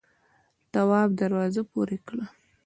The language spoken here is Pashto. تواب دروازه پورې کړه.